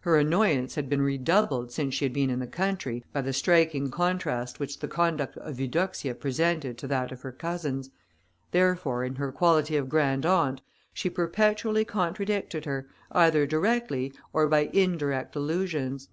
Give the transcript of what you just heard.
Her annoyance had been redoubled since she had been in the country, by the striking contrast which the conduct of Eudoxia presented to that of her cousins; therefore, in her quality of grand aunt, she perpetually contradicted her, either directly or by indirect allusions.